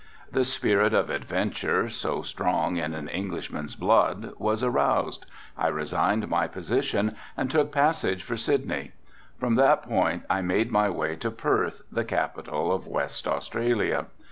The spirit of adventure, so strong in an Englishman's blood, was aroused. I resigned my position and took passage for Sydney. From that point I made my way to Perth, the capital of West Australia.